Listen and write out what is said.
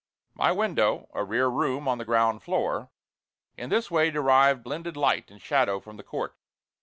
My window a rear room on the ground floor in this way derived blended light and shadow from the court.